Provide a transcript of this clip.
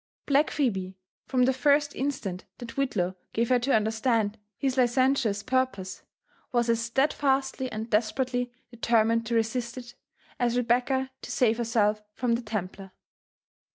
Black Phebe, from the first instant that Whitlaw gave her to under stand his licentious purpose, was as steadfastly and desperately de termined to resist it, as Rebecca to save herself from the Templar.